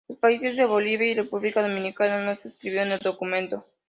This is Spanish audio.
Los países de Bolivia y República Dominicana, no suscribieron el documento.